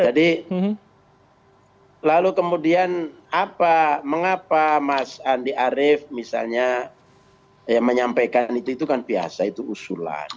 lalu kemudian apa mengapa mas andi arief misalnya menyampaikan itu itu kan biasa itu usulan